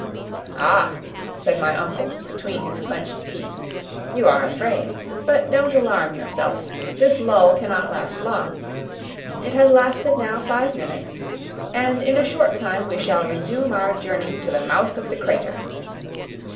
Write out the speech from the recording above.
"Ah!" said my uncle between his clenched teeth, "you are afraid. But don't alarm yourself this lull cannot last long. It has lasted now five minutes, and in a short time we shall resume our journey to the mouth of the crater."